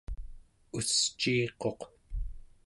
usciiquq